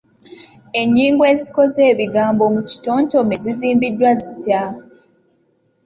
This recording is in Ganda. Ennyingo ezikoze ebigambo mu kitontome zizimbiddwa zitya?